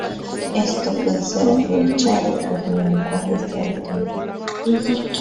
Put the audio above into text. Esto puede ser aprovechado por lenguajes de alto nivel.